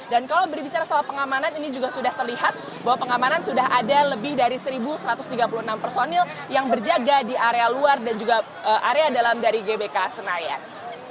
dan kalau berbicara soal pengamanan ini juga sudah terlihat bahwa pengamanan sudah ada lebih dari seribu satu ratus tiga puluh enam personil yang berjaga di area luar dan juga area dalam dari gbk senayan